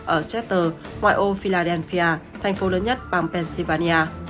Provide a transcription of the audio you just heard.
ở setter ngoại ô philadelphia thành phố lớn nhất bang pennsylvania